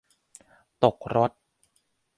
ตกรถ